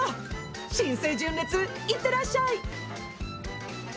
新生純烈行ってらっしゃい！